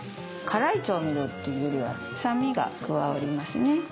辛い調味料っていうよりは酸味が加わりますね。